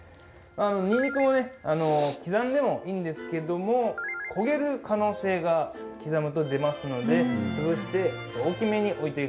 にんにくもね刻んでもいいんですけども焦げる可能性が刻むと出ますので潰して大きめに置いておきます。